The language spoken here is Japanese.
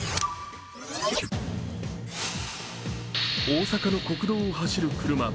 大阪の国道を走る車。